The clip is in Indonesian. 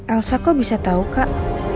elsa kok bisa tahu kak